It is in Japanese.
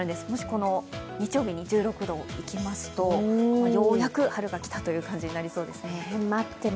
もしこの日曜日に１６度いきますとようやく春が来たという感じになりそうですね。